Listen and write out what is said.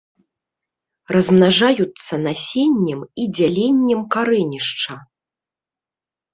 Размнажаюцца насеннем і дзяленнем карэнішча.